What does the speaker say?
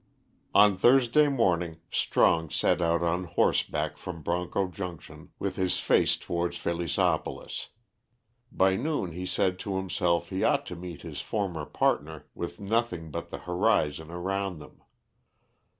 On Thursday morning Strong set out on horse back from Broncho Junction with his face towards Felixopolis. By noon he said to himself he ought to meet his former partner with nothing but the horizon around them.